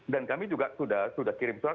dan kami juga sudah kirim surat